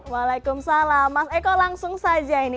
waalaikumsalam mas eko langsung saja ini